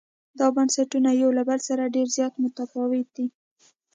دا بنسټونه له یو بل سره ډېر زیات متفاوت دي.